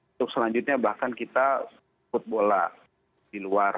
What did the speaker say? untuk selanjutnya bahkan kita sebut bola di luar